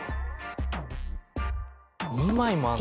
２枚もある。